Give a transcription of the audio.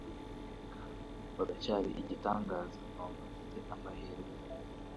uracyari igitangaza. Numva mfite amahirwe